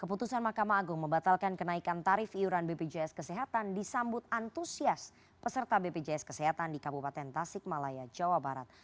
keputusan mahkamah agung membatalkan kenaikan tarif iuran bpjs kesehatan disambut antusias peserta bpjs kesehatan di kabupaten tasik malaya jawa barat